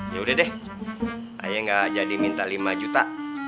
yaudah deh aye gak jadi minta lima juta